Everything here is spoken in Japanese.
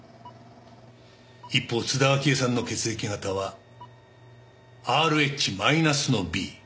一方津田明江さんの血液型はＲＨマイナスのＢ。